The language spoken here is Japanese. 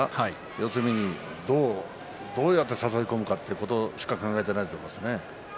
四つ身にどうやって誘い込むかということしか考えていないと思います。